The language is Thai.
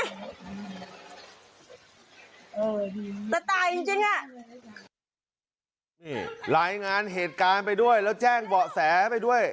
โอ้โหสไตล์จริงจริงอ่ะนี่รายงานเหตุการณ์ไปด้วยแล้วแจ้งเบาะแสไปด้วย